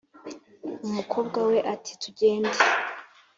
umukobwa we ati tugende